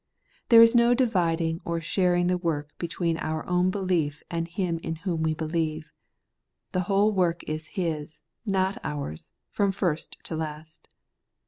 There is no dividing or sharing the work between our own belief and Him in whom we believe. The whole work is His, not ours, from first to last.